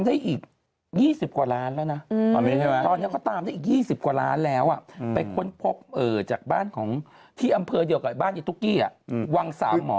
ที่อำเภาเดียวกับบ้านอย่างตุ๊กกี้วางสามหมอ